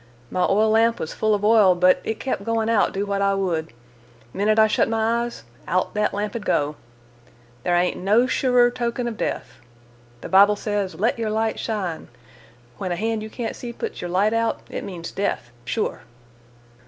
My oil lamp was full of oil, but it kep' goin' out, do what I would. Minute I shet my eyes, out that lamp'd go. There ain't no surer token of death. The Bible sez, Let yer light shine! When a hand you can't see puts yer light out, it means death, sure."